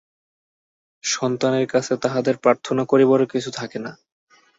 সন্তানের কাছে তাঁহাদের প্রার্থনা করিবারও কিছু থাকে না।